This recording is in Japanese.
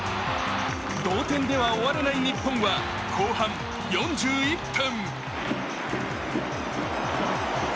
同点では終われない日本は後半４１分。